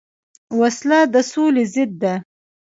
وسله د سولې ضد ده